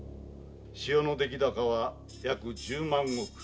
塩の出来高は約十万石。